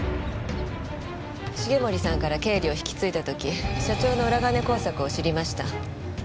重森さんから経理を引き継いだ時社長の裏金工作を知りました。